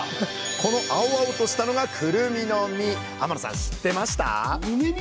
この青々としたのが天野さん知ってました？